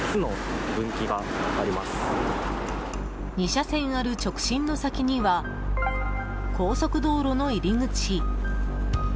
２車線ある直進の先には高速道路の入り口。